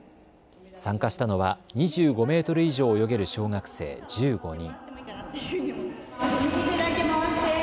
参加したのは２５メートル以上泳げる小学生１５人。